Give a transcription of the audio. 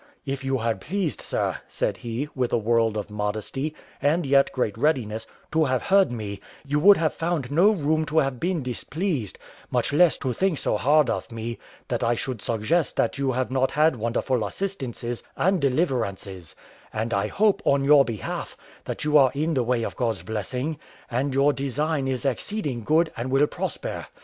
"If you had pleased, sir," said he, with a world of modesty, and yet great readiness, "to have heard me, you would have found no room to have been displeased, much less to think so hard of me, that I should suggest that you have not had wonderful assistances and deliverances; and I hope, on your behalf, that you are in the way of God's blessing, and your design is exceeding good, and will prosper.